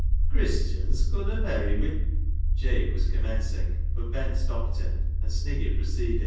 " Christians conna merry wi' "— Jabe was commencing, but Ben stopped him, and Sniggy proceeded.